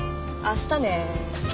あしたね。